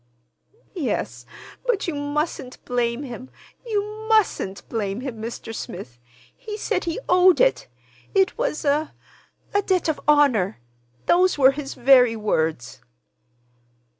"Yes; but you mustn't blame him, you mustn't blame him, Mr. Smith. He said he owed it. It was a—a debt of honor. Those were his very words."